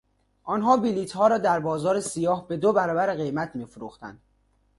آنها بلیطها را در بازار سیاه به دو برابر قیمت میفروختند.